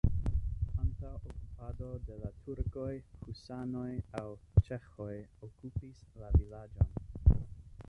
Antaŭ okupado de la turkoj husanoj aŭ ĉeĥoj okupis la vilaĝon.